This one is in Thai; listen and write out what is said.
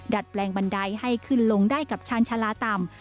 แปลงบันไดให้ขึ้นลงได้กับชาญชาลาต่ำ